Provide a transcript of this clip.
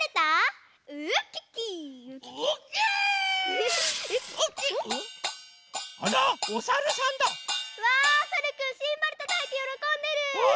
うわさるくんシンバルたたいてよろこんでる！